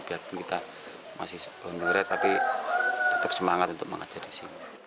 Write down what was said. biarpun kita masih honorer tapi tetap semangat untuk mengajar di sini